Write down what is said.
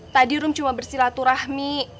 tadi rom cuma bersilaturahmi